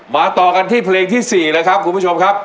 ต่อกันที่เพลงที่๔เลยครับคุณผู้ชมครับ